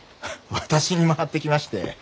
私に回ってきまして。